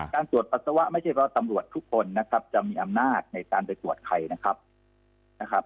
การตรวจปัสสาวะไม่ใช่เพราะตำรวจทุกคนนะครับจะมีอำนาจในการไปตรวจใครนะครับ